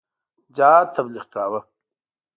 جهاد تبلیغ کاوه.